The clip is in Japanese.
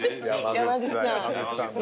山口さん。